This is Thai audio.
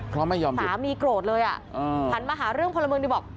เพราะไม่ยอมหยุดสามีโกรธเลยอ่ะอืมหันมาหาเรื่องพระมึงดิบอก